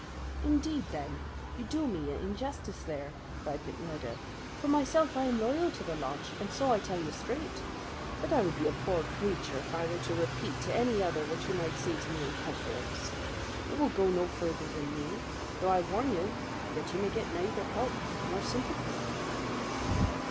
"Indeed, then, you do me injustice there," cried McMurdo. "For myself I am loyal to the lodge, and so I tell you straight; but I would be a poor creature if I were to repeat to any other what you might say to me in confidence. It will go no further than me; though I warn you that you may get neither help nor sympathy."